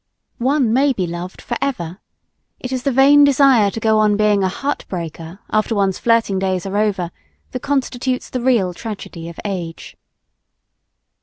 One may be loved forever! It is the vain desire to go on being a "heart breaker" after one's flirting days are over that constitutes the real tragedy of age.